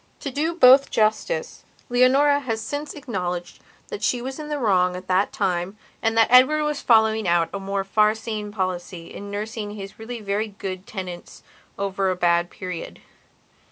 To do both justice Leonora has since acknowledged that she was in the wrong at that time and that Edward was following out a more far seeing policy in nursing his really very good tenants over a bad period.